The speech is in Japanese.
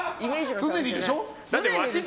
常にでしょ？